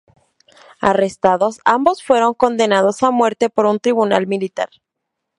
Arrestados, ambos fueron condenados a muerte por un tribunal militar.